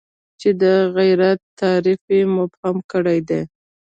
چې د غیرت تعریف یې مبهم کړی دی.